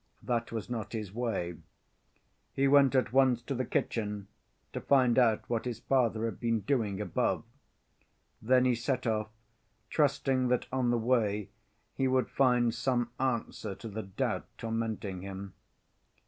That was not his way. He went at once to the kitchen to find out what his father had been doing above. Then he set off, trusting that on the way he would find some answer to the doubt tormenting him.